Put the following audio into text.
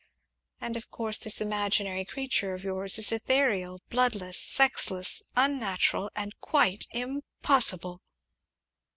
And, of course, this imaginary creature of yours is ethereal, bloodless, sexless, unnatural, and quite impossible!"